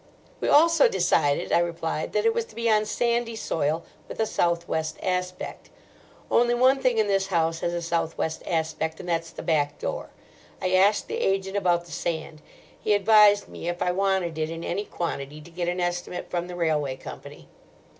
"We also decided," I replied, "that it was to be on sandy soil, with a south west aspect. Only one thing in this house has a south west aspect, and that's the back door. I asked the agent about the sand. He advised me, if I wanted it in any quantity, to get an estimate from the Railway Company.